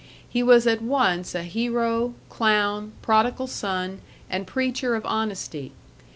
He was at once a hero, clown, prodigal son, and preacher of honesty.